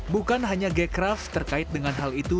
bukan hanya gecraft terkait dengan hal itu